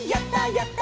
やった！